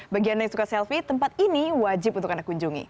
bagi anda yang suka selfie tempat ini wajib untuk anda kunjungi